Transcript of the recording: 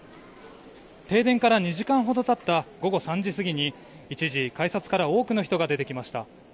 停電から２時間ほどたった午後３時過ぎに一時、改札から多くの人が出てきました。